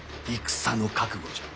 戦の覚悟じゃ。